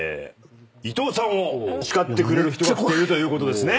伊藤さんを叱ってくれる人が来ているということですね。